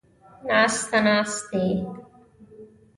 ناسته ، ناستې